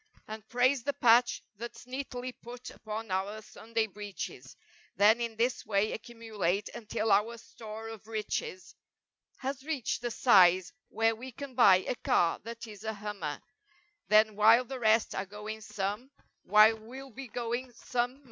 And praise the patch that's neatly put upon our Sunday breeches Then in this way accumulate until our store of riches Has reached the size where we can buy a car that is a hummer, Then while the rest are going some, while we'll be going some'er.